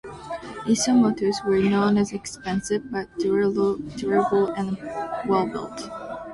Isomotos were known as expensive, but durable and well-built.